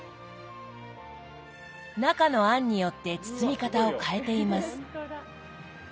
中の餡によって包み方を変えています。